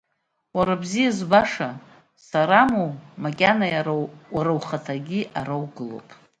Уара абзиа збаша, сарамоу, макьана иара уара ухаҭагьы ара угылоуп.